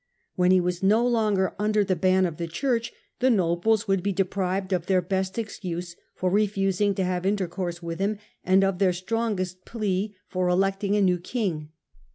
When he was no longer under outforitaiy. ^j^q jja^ of the Ohurch the nobles would be deprived of their best excuse for refusing to have inter course with him, and of their strongest plea for electing a new king.